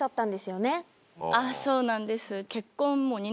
そうなんです。